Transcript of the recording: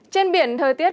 trên biển thời tiết